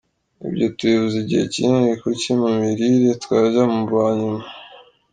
Ibyo tubivuze igihe kinini, kuki mu mirire twajya mu ba nyuma?